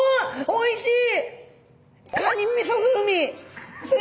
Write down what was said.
おいしい。